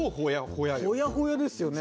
ほやほやですよね。